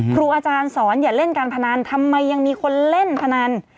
ครูอาจารย์สอนอย่าเล่นการพนันทำไมยังมีคนเล่นพนัน